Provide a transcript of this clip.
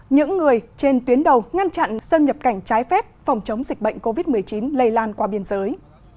những người trên tuyến đầu ngăn chặn dân nhập cảnh trái phép phòng chống dịch bệnh covid một mươi chín lây lan qua biên giới